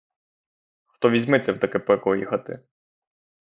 Хто візьметься в таке пекло їхати?